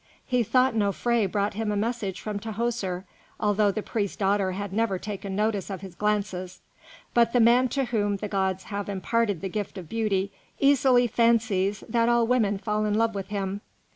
He thought Nofré brought him a message from Tahoser, although the priest's daughter had never taken notice of his glances; but the man to whom the gods have imparted the gift of beauty easily fancies that all women fall in love with him.